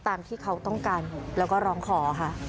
ตามที่เขาต้องการแล้วก็ร้องขอค่ะ